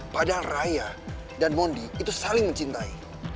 padahal raya dan mondi itu saling mencintai